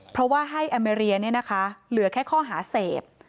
เพราะว่าให้อเมรียเนี่ยนะคะเหลือแค่ข้อหาเสพ